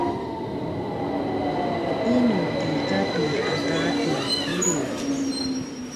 inu ti Kapi ata ti Kuliu?